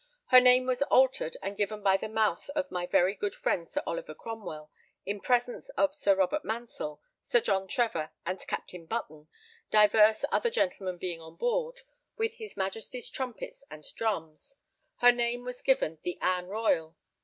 Her name was altered and given by the mouth of my very good friend Sir Oliver Cromwell, in presence of Sir Robert Mansell, Sir John Trevor and Captain Button, divers other gentlemen being on board, with his Majesty's trumpets and drums; her name was given the Anne Royal.